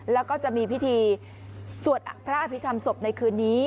แล้วก็จะมีพิธีสวดพระอภิษฐรรมศพในคืนนี้